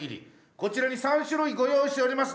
こちらに３種類ご用意しております。